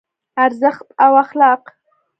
ارزښت او اخلاق